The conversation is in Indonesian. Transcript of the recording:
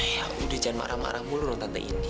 ya udah jangan marah marah mulu loh tante ini